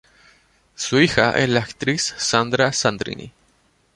Su hija es la actriz Sandra Sandrini.